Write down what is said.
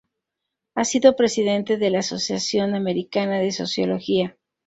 Ha sido presidente de la Asociación Americana de Sociología.